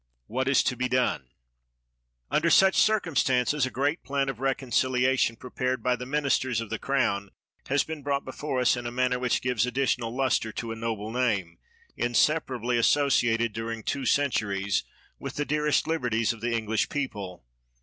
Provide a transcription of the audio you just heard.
What is to be done ? Under such circumstances, a great plan of reconciliation, prepared by the ministers of the 132 . MACAULAY Crown, has been brought before us in a manner which gives additional luster to a noble name, inseparably associated during two centuries with the dearest liberties of the English people.